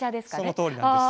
そのとおりなんです。